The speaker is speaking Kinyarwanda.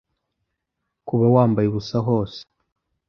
Kuba wambaye ubusa hose